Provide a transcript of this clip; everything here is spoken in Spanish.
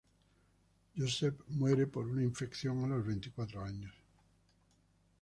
Joseph muere por una infección a los veinticuatro años.